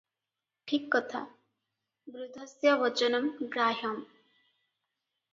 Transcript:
ଠିକ୍ କଥା, 'ବୃଦ୍ଧସ୍ୟ ବଚନଂ ଗ୍ରାହ୍ୟଂ ।